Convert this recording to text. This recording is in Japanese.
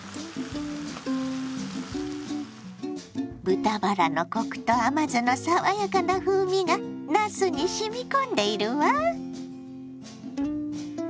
豚バラのコクと甘酢の爽やかな風味がなすにしみ込んでいるわ。